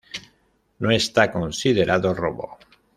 no está considerado robo